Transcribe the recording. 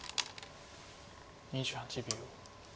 ２８秒。